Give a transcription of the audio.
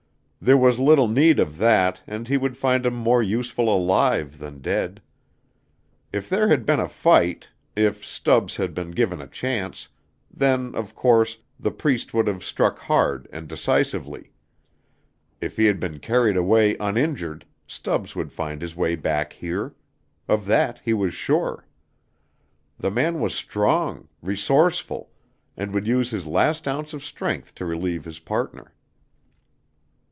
There was little need of that and he would find him more useful alive than dead. If there had been a fight if Stubbs had been given a chance then, of course, the Priest would have struck hard and decisively. If he had been carried away uninjured, Stubbs would find his way back here. Of that he was sure. The man was strong, resourceful, and would use his last ounce of strength to relieve his partner.